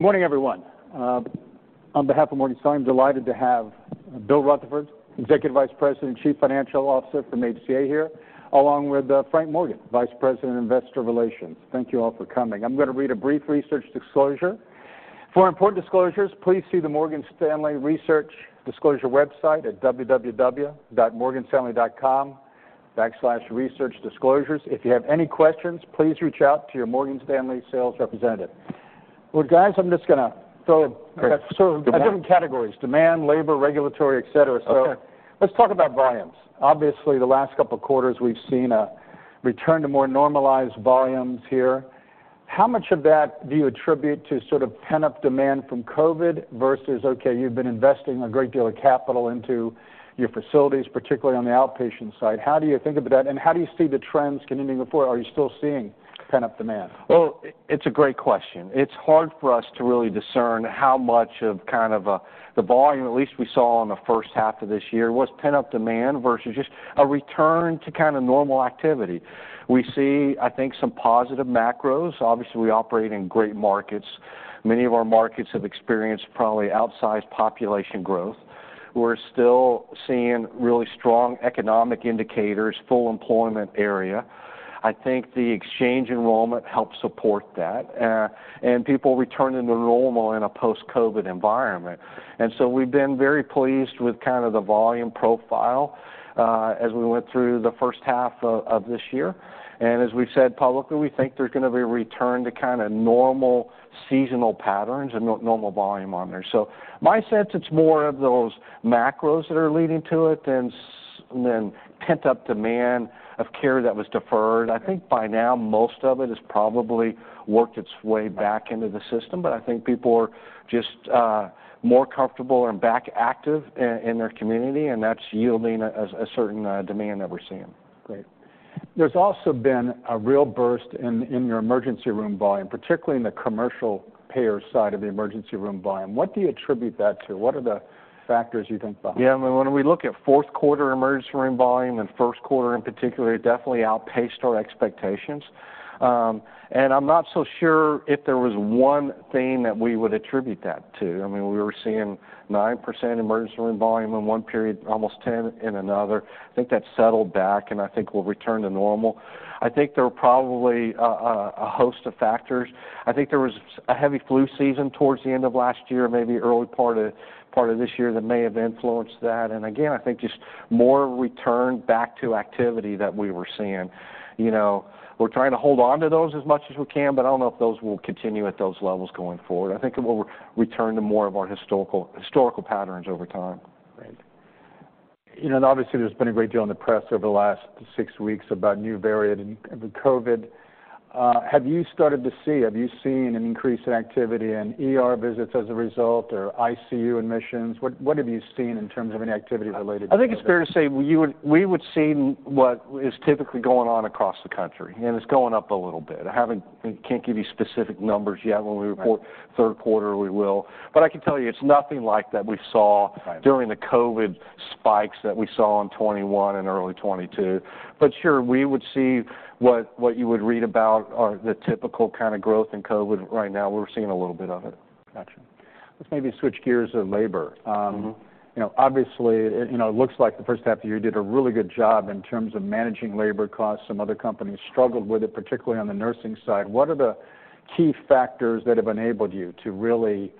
Good morning, everyone. On behalf of Morgan Stanley, I'm delighted to have Bill Rutherford, Executive Vice President and Chief Financial Officer from HCA here, along with Frank Morgan, Vice President of Investor Relations. Thank you all for coming. I'm gonna read a brief research disclosure. For important disclosures, please see the Morgan Stanley Research Disclosure website at www.morganstanley.com/researchdisclosures. If you have any questions, please reach out to your Morgan Stanley sales representative. Well, guys, I'm just gonna throw- Great. Sort of different categories: demand, labor, regulatory, et cetera. Okay. So let's talk about volumes. Obviously, the last couple of quarters, we've seen a return to more normalized volumes here. How much of that do you attribute to sort of pent-up demand from COVID versus, okay, you've been investing a great deal of capital into your facilities, particularly on the outpatient side? How do you think about that, and how do you see the trends continuing before? Are you still seeing pent-up demand? Well, it's a great question. It's hard for us to really discern how much of kind of the volume, at least we saw in the first half of this year, was pent-up demand versus just a return to kind of normal activity. We see, I think, some positive macros. Obviously, we operate in great markets. Many of our markets have experienced probably outsized population growth. We're still seeing really strong economic indicators, full employment area. I think the exchange enrollment helps support that, and people returning to normal in a post-COVID environment. And so we've been very pleased with kind of the volume profile, as we went through the first half of this year, and as we've said publicly, we think there's gonna be a return to kind of normal seasonal patterns and normal volume on there. So my sense, it's more of those macros that are leading to it than than pent-up demand of care that was deferred. I think by now, most of it has probably worked its way back into the system, but I think people are just, more comfortable and back active in, in their community, and that's yielding a, a certain, demand that we're seeing. Great. There's also been a real burst in your emergency room volume, particularly in the commercial payer side of the emergency room volume. What do you attribute that to? What are the factors you think about? Yeah, when we look at fourth quarter emergency room volume and first quarter in particular, it definitely outpaced our expectations. I'm not so sure if there was one thing that we would attribute that to. I mean, we were seeing 9% emergency room volume in one period, almost 10% in another. I think that settled back, and I think we'll return to normal. I think there were probably a host of factors. I think there was a heavy flu season towards the end of last year, maybe early part of this year, that may have influenced that, and again, I think just more return back to activity that we were seeing. You know, we're trying to hold on to those as much as we can, but I don't know if those will continue at those levels going forward. I think it will return to more of our historical patterns over time. Great. You know, and obviously, there's been a great deal in the press over the last six weeks about new variant of COVID. Have you seen an increase in activity in ER visits as a result or ICU admissions? What have you seen in terms of any activity related to COVID? I think it's fair to say we would, we would see what is typically going on across the country, and it's going up a little bit. I haven't... I can't give you specific numbers yet. Right. When we report third quarter, we will. But I can tell you, it's nothing like that we saw- Right... during the COVID spikes that we saw in 2021 and early 2022. But sure, we would see what, what you would read about or the typical kind of growth in COVID right now. We're seeing a little bit of it. Gotcha. Let's maybe switch gears to labor. Mm-hmm. You know, obviously, it, you know, looks like the first half of the year, you did a really good job in terms of managing labor costs. Some other companies struggled with it, particularly on the nursing side. What are the key factors that have enabled you to really,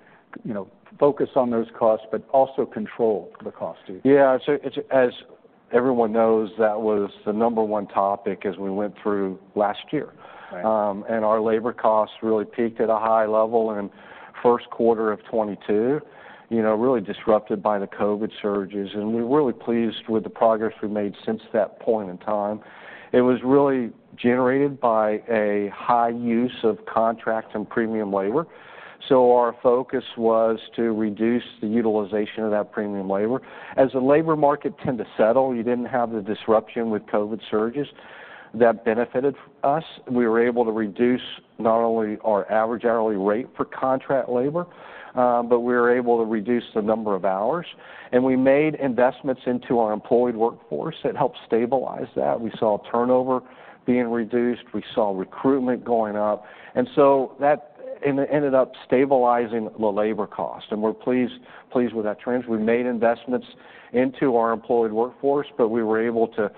you know, focus on those costs but also control the costs, too? Yeah, so it's, as everyone knows, that was the number one topic as we went through last year. Right. And our labor costs really peaked at a high level in first quarter of 2022, you know, really disrupted by the COVID surges, and we're really pleased with the progress we've made since that point in time. It was really generated by a high use of contract and premium labor, so our focus was to reduce the utilization of that premium labor. As the labor market tend to settle, you didn't have the disruption with COVID surges. That benefited us. We were able to reduce not only our average hourly rate for contract labor, but we were able to reduce the number of hours, and we made investments into our employed workforce that helped stabilize that. We saw turnover being reduced, we saw recruitment going up, and so that ended up stabilizing the labor cost, and we're pleased with that trend. We made investments into our employed workforce, but we were able to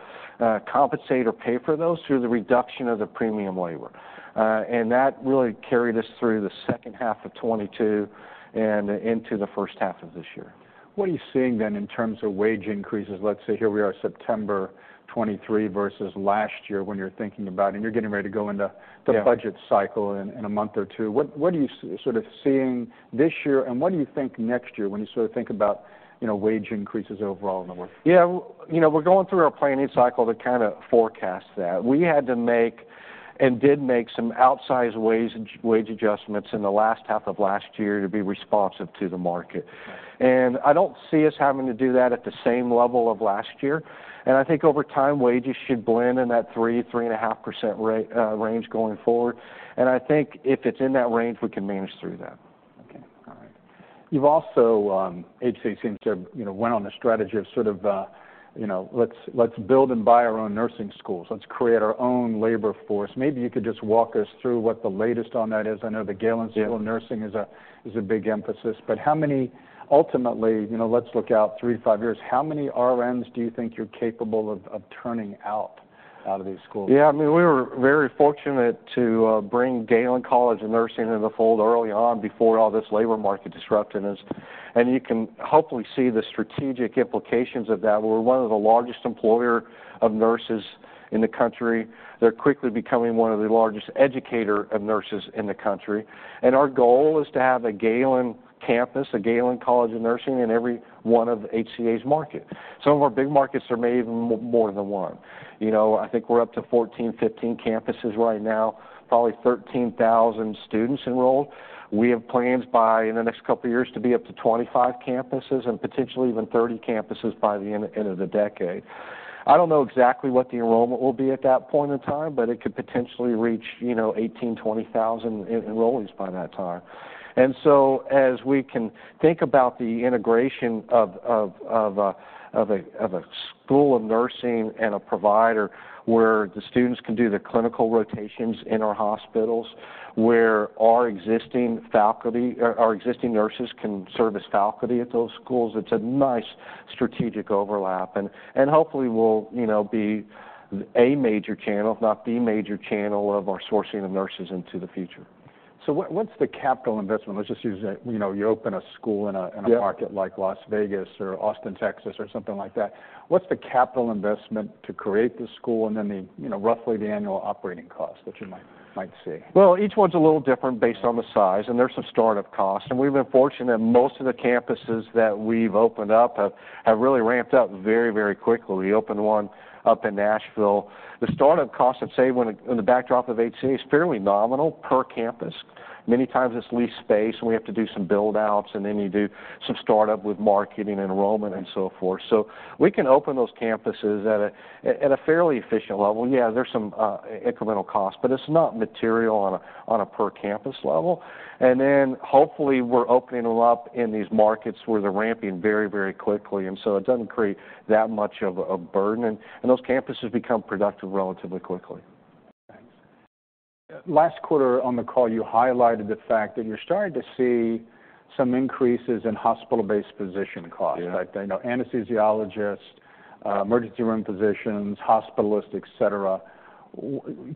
compensate or pay for those through the reduction of the premium labor. And that really carried us through the second half of 2022 and into the first half of this year. What are you seeing then in terms of wage increases? Let's say, here we are, September 2023 versus last year when you're thinking about it, and you're getting ready to go into- Yeah... the budget cycle in a month or two. What are you sort of seeing this year, and what do you think next year when you sort of think about, you know, wage increases overall in the work? Yeah, you know, we're going through our planning cycle to kind of forecast that. We had to make and did make some outsized wage, wage adjustments in the last half of last year to be responsive to the market. I don't see us having to do that at the same level of last year, and I think over time, wages should blend in that 3%-3.5% range going forward. I think if it's in that range, we can manage through that. Okay. You've also, HCA seems to have, you know, went on the strategy of sort of, you know, let's, let's build and buy our own nursing schools. Let's create our own labor force. Maybe you could just walk us through what the latest on that is. I know the Galen School- Yeah -of Nursing is a big emphasis, but how many ultimately, you know, let's look out three to five years, how many RNs do you think you're capable of turning out of these schools? Yeah, I mean, we were very fortunate to bring Galen College of Nursing into the fold early on before all this labor market disruption. And you can hopefully see the strategic implications of that. We're one of the largest employer of nurses in the country. They're quickly becoming one of the largest educator of nurses in the country. And our goal is to have a Galen campus, a Galen College of Nursing, in every one of HCA's market. Some of our big markets are maybe even more than one. You know, I think we're up to 14, 15 campuses right now, probably 13,000 students enrolled. We have plans by, in the next couple of years, to be up to 25 campuses and potentially even 30 campuses by the end of the decade. I don't know exactly what the enrollment will be at that point in time, but it could potentially reach, you know, 18,000-20,000 enrollees by that time. And so as we can think about the integration of a school of nursing and a provider where the students can do their clinical rotations in our hospitals, where our existing faculty, our existing nurses can serve as faculty at those schools, it's a nice strategic overlap. And hopefully, we'll, you know, be a major channel, if not the major channel of our sourcing the nurses into the future. So what, what's the capital investment? Let's just use a, you know, you open a school in a- Yeah In a market like Las Vegas or Austin, Texas, or something like that. What's the capital investment to create the school and then the, you know, roughly the annual operating cost that you might see? Well, each one's a little different based on the size, and there's some start-up costs. We've been fortunate that most of the campuses that we've opened up have, have really ramped up very, very quickly. We opened one up in Nashville. The start-up costs, let's say, when in the backdrop of HCA, is fairly nominal per campus. Many times, it's leased space, and we have to do some build-outs, and then you do some start-up with marketing, enrollment, and so forth. So we can open those campuses at a, at a fairly efficient level. Yeah, there's some incremental costs, but it's not material on a, on a per-campus level. Then, hopefully, we're opening them up in these markets where they're ramping very, very quickly, and so it doesn't create that much of a burden, and those campuses become productive relatively quickly. Thanks. Last quarter, on the call, you highlighted the fact that you're starting to see some increases in hospital-based physician costs. Yeah. Like, I know anesthesiologists, emergency room physicians, hospitalists, et cetera.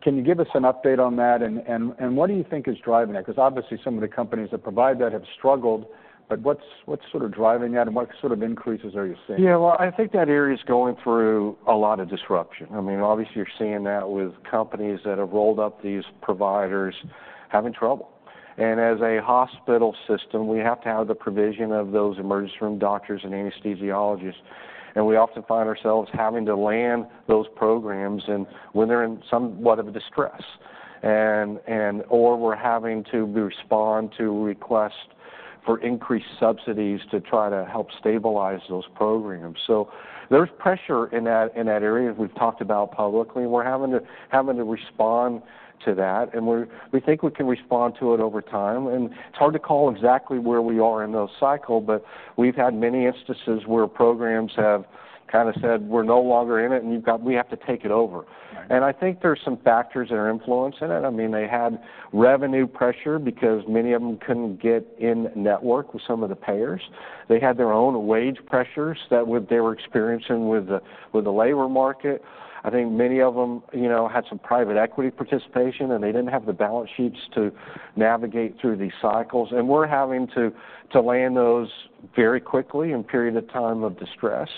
Can you give us an update on that, and what do you think is driving that? Because obviously, some of the companies that provide that have struggled, but what's sort of driving that, and what sort of increases are you seeing? Yeah, well, I think that area is going through a lot of disruption. I mean, obviously, you're seeing that with companies that have rolled up these providers having trouble. And as a hospital system, we have to have the provision of those emergency room doctors and anesthesiologists, and we often find ourselves having to land those programs and when they're in somewhat of a distress. Or we're having to respond to requests for increased subsidies to try to help stabilize those programs. So there's pressure in that area, as we've talked about publicly, and we're having to respond to that, and we think we can respond to it over time. It's hard to call exactly where we are in those cycles, but we've had many instances where programs have kind of said, "We're no longer in it," and you've got. We have to take it over. Right. And I think there's some factors that are influencing it. I mean, they had revenue pressure because many of them couldn't get in-network with some of the payers. They had their own wage pressures that they were experiencing with the labor market. I think many of them, you know, had some private equity participation, and they didn't have the balance sheets to navigate through these cycles. And we're having to land those very quickly in a period of time of distress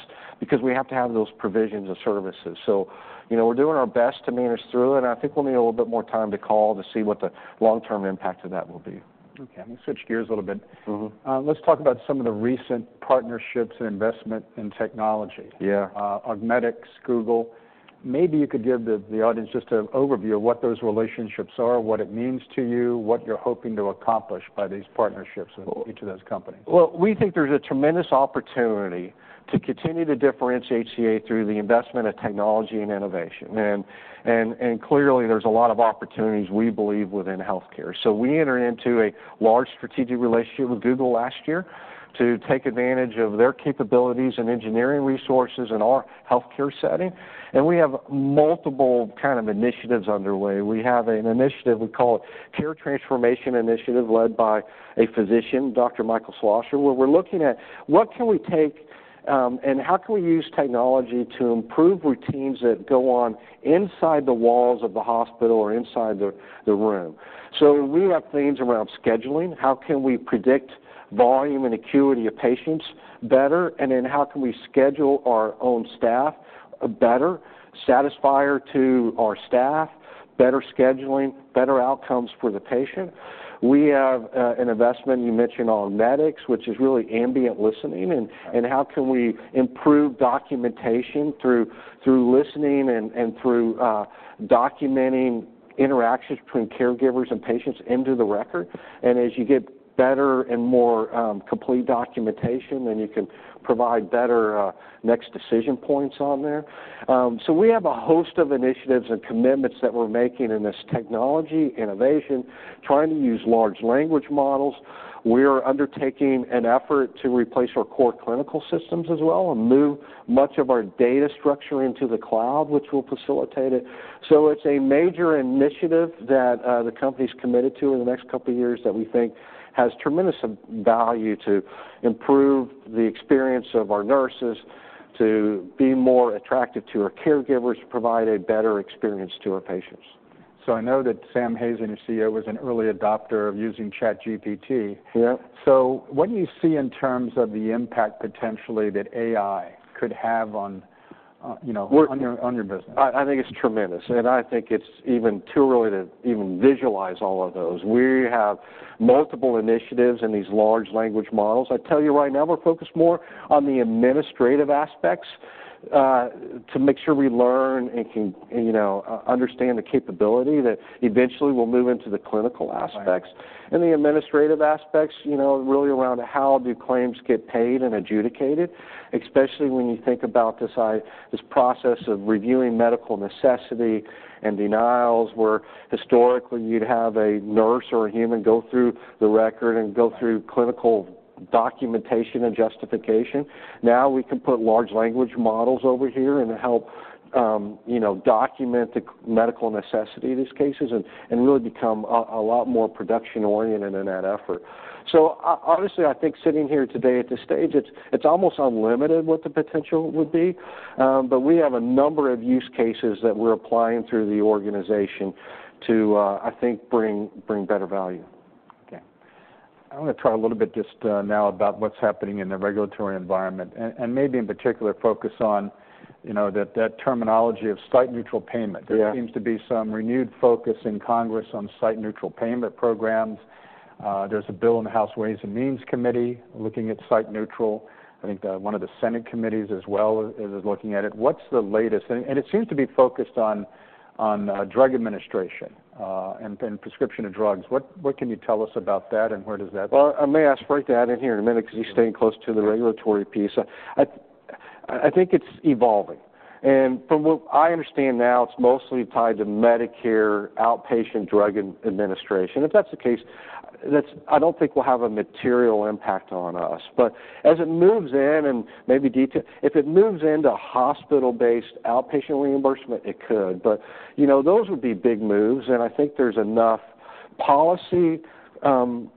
because we have to have those provisions of services. So, you know, we're doing our best to manage through it, and I think we'll need a little bit more time to call to see what the long-term impact of that will be. Okay. Let me switch gears a little bit. Mm-hmm. Let's talk about some of the recent partnerships and investment in technology. Yeah. Augmedix, Google. Maybe you could give the audience just an overview of what those relationships are, what it means to you, what you're hoping to accomplish by these partnerships with each of those companies? Well, we think there's a tremendous opportunity to continue to differentiate HCA through the investment in technology and innovation. Clearly, there's a lot of opportunities we believe within healthcare. So we entered into a large strategic relationship with Google last year to take advantage of their capabilities and engineering resources in our healthcare setting, and we have multiple kind of initiatives underway. We have an initiative, we call it Care Transformation and Innovation, led by a physician, Dr. Michael Schlosser, where we're looking at what can we take, and how can we use technology to improve routines that go on inside the walls of the hospital or inside the room. So we have things around scheduling. How can we predict volume and acuity of patients better, and then how can we schedule our own staff better, satisfactory to our staff, better scheduling, better outcomes for the patient?... We have an investment, you mentioned on Augmedix, which is really ambient listening, and how can we improve documentation through listening and through documenting interactions between caregivers and patients into the record? And as you get better and more complete documentation, then you can provide better next decision points on there. So we have a host of initiatives and commitments that we're making in this technology innovation, trying to use large language models. We are undertaking an effort to replace our core clinical systems as well and move much of our data structure into the cloud, which will facilitate it. So it's a major initiative that, the company's committed to in the next couple of years that we think has tremendous value to improve the experience of our nurses, to be more attractive to our caregivers, provide a better experience to our patients. I know that Sam Hazen, your CEO, was an early adopter of using ChatGPT. Yep. So what do you see in terms of the impact, potentially, that AI could have on, you know, on your, on your business? I think it's tremendous, and I think it's even too early to even visualize all of those. We have multiple initiatives in these large language models. I tell you right now, we're focused more on the administrative aspects, to make sure we learn and can, you know, understand the capability that eventually will move into the clinical aspects. Right. And the administrative aspects, you know, really around how do claims get paid and adjudicated, especially when you think about this process of reviewing medical necessity and denials, where historically you'd have a nurse or a human go through the record and go through clinical documentation and justification. Now, we can put large language models over here and help, you know, document the medical necessity of these cases and really become a lot more production-oriented in that effort. So honestly, I think sitting here today at this stage, it's almost unlimited what the potential would be, but we have a number of use cases that we're applying through the organization to, I think bring better value. Okay. I want to talk a little bit just now about what's happening in the regulatory environment, and, and maybe in particular, focus on, you know, that, that terminology of site-neutral payment. Yeah. There seems to be some renewed focus in Congress on site-neutral payment programs. There's a bill in the House Ways and Means Committee looking at site-neutral. I think one of the Senate committees as well is looking at it. What's the latest? And it seems to be focused on drug administration and prescription of drugs. What can you tell us about that, and where does that- Well, I may ask Frank to add in here in a minute because he's staying close to the regulatory piece. I think it's evolving, and from what I understand now, it's mostly tied to Medicare outpatient drug administration. If that's the case, that's... I don't think will have a material impact on us. But as it moves in and if it moves into hospital-based outpatient reimbursement, it could. But, you know, those would be big moves, and I think there's enough policy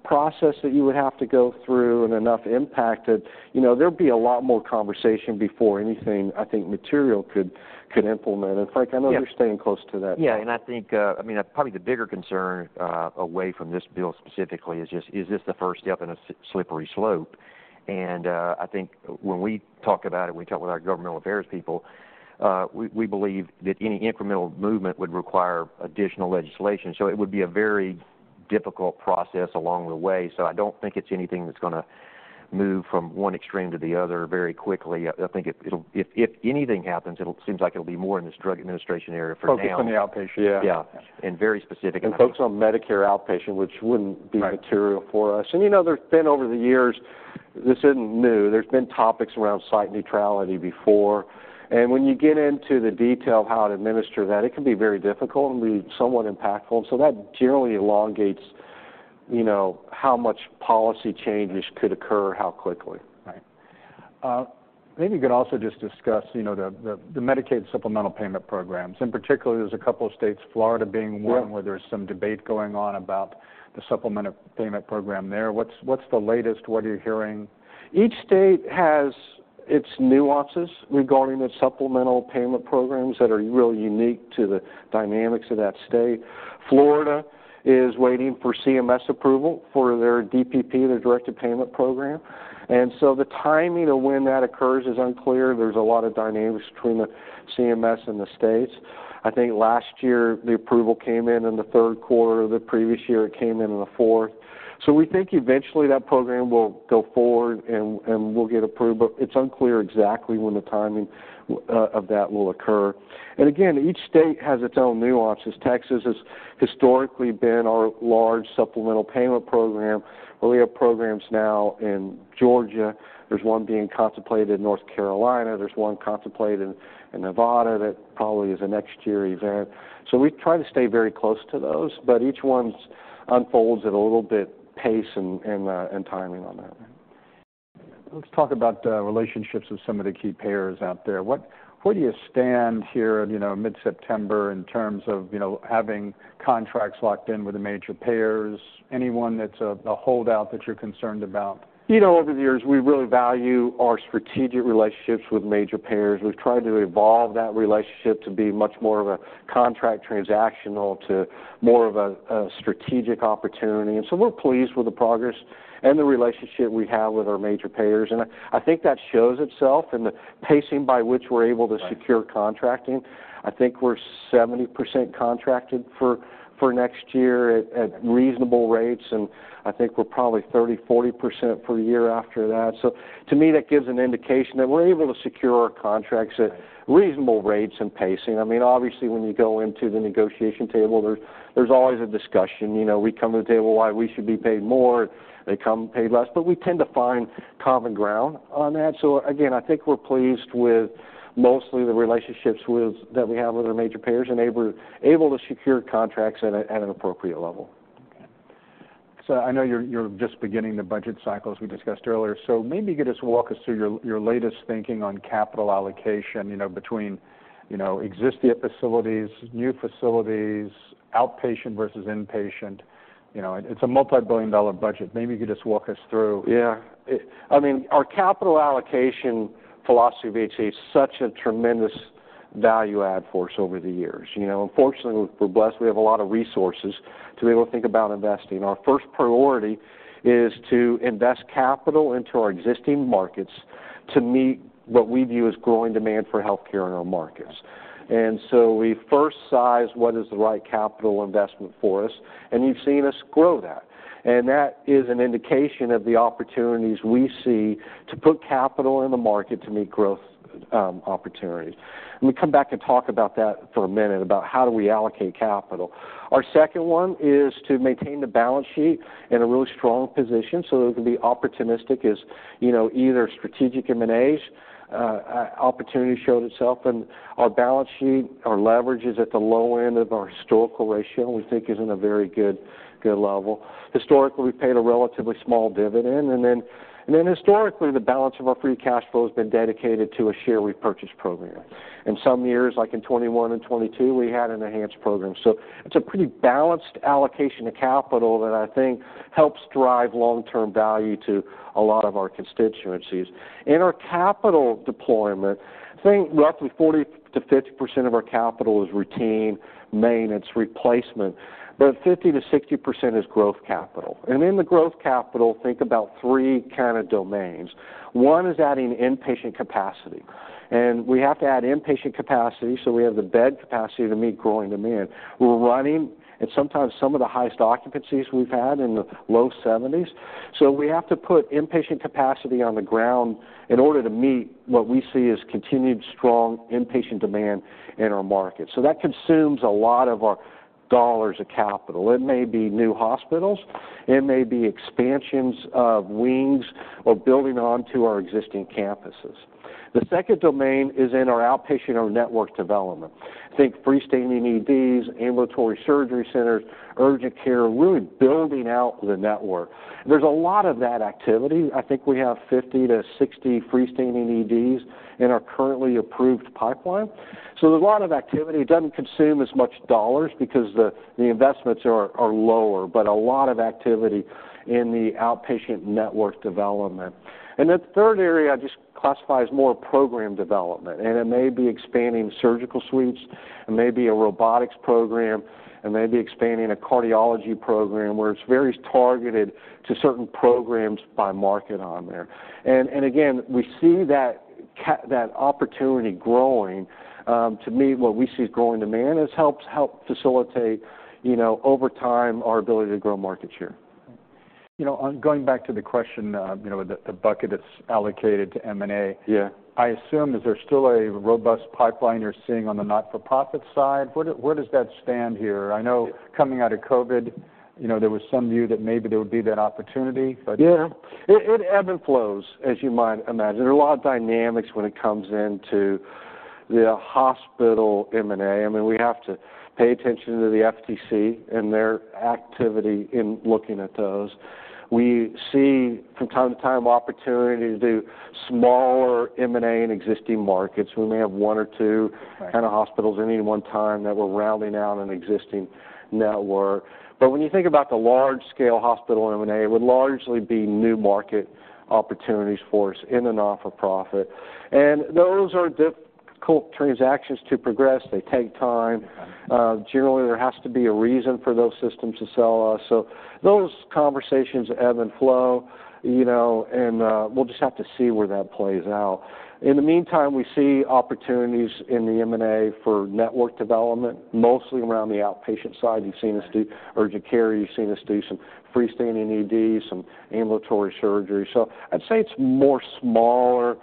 process that you would have to go through and enough impact that, you know, there'd be a lot more conversation before anything, I think, material could implement. And, Frank, I know- Yeah... you're staying close to that. Yeah, and I think, I mean, probably the bigger concern away from this bill specifically is just, is this the first step in a slippery slope? And, I think when we talk about it, we talk with our governmental affairs people, we believe that any incremental movement would require additional legislation, so it would be a very difficult process along the way. So I don't think it's anything that's gonna move from one extreme to the other very quickly. I think it, it'll. If anything happens, it'll seems like it'll be more in this drug administration area for now. Focused on the outpatient, yeah. Yeah, and very specifically. Focused on Medicare outpatient, which wouldn't be- Right... material for us. And, you know, there's been over the years, this isn't new, there's been topics around site neutrality before, and when you get into the detail of how to administer that, it can be very difficult and be somewhat impactful. So that generally elongates, you know, how much policy changes could occur, how quickly. Right. Maybe you could also just discuss, you know, the Medicaid supplemental payment programs. In particular, there's a couple of states, Florida being one where there's some debate going on about the supplemental payment program there. What's, what's the latest? What are you hearing? Each state has its nuances regarding the supplemental payment programs that are really unique to the dynamics of that state. Florida is waiting for CMS approval for their DPP, their Directed Payment Program, and so the timing of when that occurs is unclear. There's a lot of dynamics between the CMS and the states. I think last year, the approval came in, in the third quarter. The previous year, it came in in the fourth. So we think eventually that program will go forward, and, and will get approved, but it's unclear exactly when the timing, of that will occur. And again, each state has its own nuances. Texas has historically been our large supplemental payment program. We have programs now in Georgia. There's one being contemplated in North Carolina. There's one contemplated in Nevada that probably is a next year event. So we try to stay very close to those, but each one unfolds at a little bit pace and timing on that.... Let's talk about the relationships with some of the key payers out there. What, where do you stand here in, you know, mid-September in terms of, you know, having contracts locked in with the major payers? Anyone that's a holdout that you're concerned about? You know, over the years, we really value our strategic relationships with major payers. We've tried to evolve that relationship to be much more of a contract transactional to more of a, a strategic opportunity. And so we're pleased with the progress and the relationship we have with our major payers. And I, I think that shows itself in the pacing by which we're able to secure contracting. I think we're 70% contracted for next year at reasonable rates, and I think we're probably 30%-40% for the year after that. So to me, that gives an indication that we're able to secure our contracts at reasonable rates and pacing. I mean, obviously, when you go into the negotiation table, there, there's always a discussion. You know, we come to the table why we should be paid more, they come paid less, but we tend to find common ground on that. So again, I think we're pleased with mostly the relationships with that we have with our major payers, and able to secure contracts at an appropriate level. Okay. So I know you're just beginning the budget cycle, as we discussed earlier. So maybe you could just walk us through your latest thinking on capital allocation, you know, between, you know, existing facilities, new facilities, outpatient versus inpatient. You know, it's a multi-billion-dollar budget. Maybe you could just walk us through. Yeah. I mean, our capital allocation philosophy has been such a tremendous value add for us over the years. You know, unfortunately, we're blessed. We have a lot of resources to be able to think about investing. Our first priority is to invest capital into our existing markets to meet what we view as growing demand for healthcare in our markets. And so we first size what is the right capital investment for us, and you've seen us grow that. And that is an indication of the opportunities we see to put capital in the market to meet growth opportunities. Let me come back and talk about that for a minute, about how do we allocate capital. Our second one is to maintain the balance sheet in a really strong position so that we can be opportunistic as, you know, either strategic M&As, opportunity showed itself, and our balance sheet, our leverage is at the low end of our historical ratio, we think is in a very good, good level. Historically, we paid a relatively small dividend, and then, and then historically, the balance of our free cash flow has been dedicated to a share repurchase program. In some years, like in 2021 and 2022, we had an enhanced program. So it's a pretty balanced allocation of capital that I think helps drive long-term value to a lot of our constituencies. In our capital deployment, I think roughly 40%-50% of our capital is routine maintenance replacement, but 50%-60% is growth capital. In the growth capital, think about three kind of domains. One is adding inpatient capacity, and we have to add inpatient capacity, so we have the bed capacity to meet growing demand. We're running, and sometimes some of the highest occupancies we've had in the low 70s. So we have to put inpatient capacity on the ground in order to meet what we see as continued strong inpatient demand in our market. So that consumes a lot of our dollars of capital. It may be new hospitals, it may be expansions of wings or building onto our existing campuses. The second domain is in our outpatient or network development. Think freestanding EDs, ambulatory surgery centers, urgent care, really building out the network. There's a lot of that activity. I think we have 50-60 freestanding EDs in our currently approved pipeline. So there's a lot of activity. It doesn't consume as much dollars because the investments are lower, but a lot of activity in the outpatient network development. And then the third area, I just classify as more program development, and it may be expanding surgical suites, it may be a robotics program, it may be expanding a cardiology program, where it's very targeted to certain programs by market on there. And again, we see that opportunity growing. To me, what we see as growing demand has helped facilitate, you know, over time, our ability to grow market share. You know, on going back to the question, you know, the bucket that's allocated to M&A. Yeah. I assume, is there still a robust pipeline you're seeing on the not-for-profit side? What, where does that stand here? I know- Yeah... coming out of COVID, you know, there was some view that maybe there would be that opportunity, but- Yeah. It ebb and flows, as you might imagine. There are a lot of dynamics when it comes into the hospital M&A. I mean, we have to pay attention to the FTC and their activity in looking at those. We see from time to time, opportunity to do smaller M&A in existing markets. We may have one or two- Right kind of hospitals at any one time that we're rounding out an existing network. But when you think about the large-scale hospital M&A, it would largely be new market opportunities for us in a not-for-profit. And those are difficult transactions to progress. They take time. Right. Generally, there has to be a reason for those systems to sell us. So those conversations ebb and flow, you know, and we'll just have to see where that plays out. In the meantime, we see opportunities in the M&A for network development, mostly around the outpatient side. You've seen us do urgent care, you've seen us do some freestanding ED, some ambulatory surgery. So I'd say it's more smaller,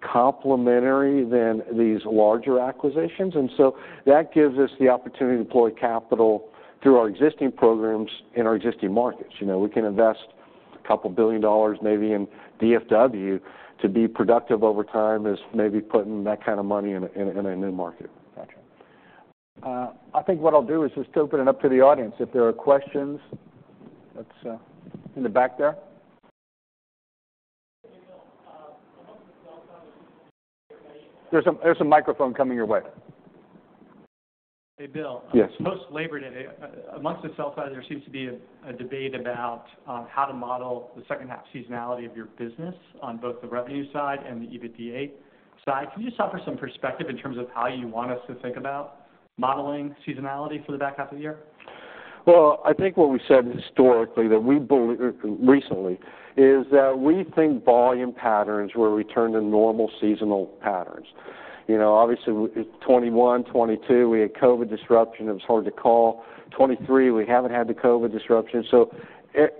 complementary than these larger acquisitions, and so that gives us the opportunity to deploy capital through our existing programs in our existing markets. You know, we can invest couple billion dollars maybe in DFW to be productive over time, as maybe putting that kind of money in a new market. Gotcha. I think what I'll do is just open it up to the audience if there are questions. Let's in the back there. Hey, Bill, among the sell side- There's a microphone coming your way. Hey, Bill. Yes. Post Labor Day, amongst the sell side, there seems to be a debate about how to model the second half seasonality of your business on both the revenue side and the EBITDA side. Can you just offer some perspective in terms of how you want us to think about modeling seasonality for the back half of the year? Well, I think what we said historically, that we believe recently, is that we think volume patterns will return to normal seasonal patterns. You know, obviously, we 2021, 2022, we had COVID disruption, it was hard to call. 2023, we haven't had the COVID disruption. So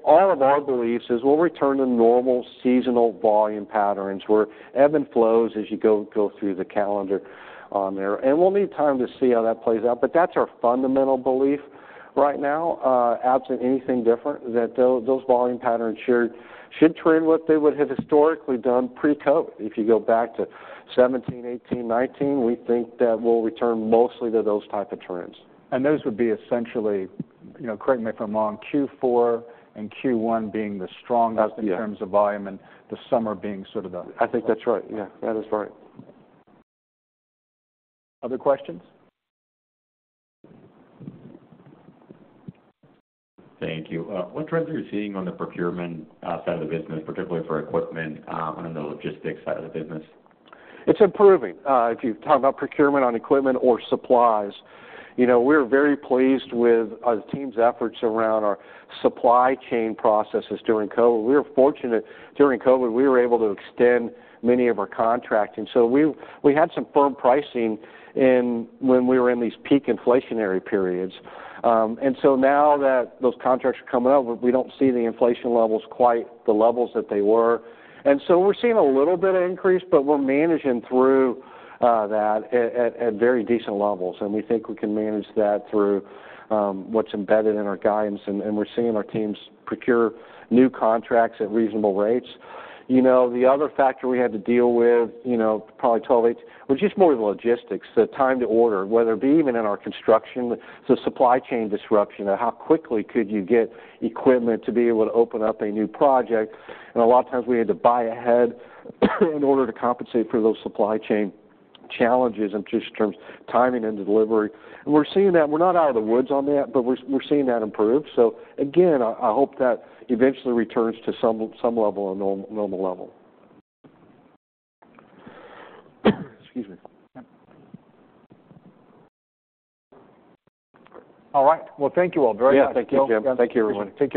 all of our beliefs is we'll return to normal seasonal volume patterns, where ebbs and flows as you go through the calendar on there. And we'll need time to see how that plays out, but that's our fundamental belief right now, absent anything different, that those volume patterns should trend what they would have historically done pre-COVID. If you go back to 2017, 2018, 2019, we think that we'll return mostly to those type of trends. Those would be essentially, you know, correct me if I'm wrong, Q4 and Q1 being the strongest. Yeah... in terms of volume, and the summer being sort of the- I think that's right. Yeah, that is right. Other questions? Thank you. What trends are you seeing on the procurement side of the business, particularly for equipment, on the logistics side of the business? It's improving. If you're talking about procurement on equipment or supplies, you know, we're very pleased with our team's efforts around our supply chain processes during COVID. We were fortunate, during COVID, we were able to extend many of our contracting. So we, we had some firm pricing in when we were in these peak inflationary periods. And so now that those contracts are coming up, we don't see the inflation levels, quite the levels that they were. And so we're seeing a little bit of increase, but we're managing through that at, at, at very decent levels. And we think we can manage that through what's embedded in our guidance, and, and we're seeing our teams procure new contracts at reasonable rates. You know, the other factor we had to deal with, you know, probably 12 to 18, was just more the logistics, the time to order, whether it be even in our construction. So supply chain disruption, and how quickly could you get equipment to be able to open up a new project? And a lot of times we had to buy ahead, in order to compensate for those supply chain challenges and just in terms of timing and delivery. And we're seeing that. We're not out of the woods on that, but we're seeing that improve. So again, I hope that eventually returns to some level of normal level. Excuse me. All right. Well, thank you all very much. Yeah. Thank you, Jim. Thank you, everyone. Take care.